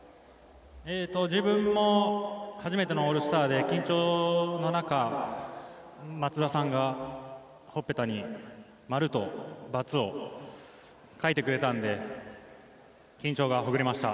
自分も初めてのオールスターで緊張の中、松田さんが頬っぺたに〇と×を描いてくれたので緊張がほぐれました